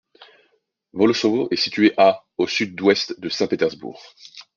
Volossovo est située à au sud-ouest de Saint-Pétersbourg.